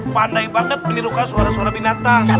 pandai banget menirukan suara suara binatang